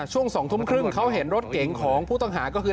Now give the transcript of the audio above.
ช่วง๒ทุ่มครึ่งเขาเห็นรถเก๋งของผู้ต้องหาก็คือ